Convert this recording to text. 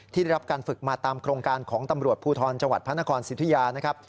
ที่ได้รับการฝึกมาตามโครงการของตำรวจภูทธรจพนครสิทธุญา